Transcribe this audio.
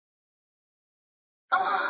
پخوا به خلکو نجوني په ديت کي ورکولې.